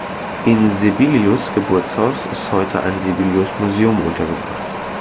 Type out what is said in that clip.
In Sibelius’ Geburtshaus ist heute ein Sibelius-Museum untergebracht.